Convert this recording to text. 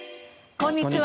こんにちは。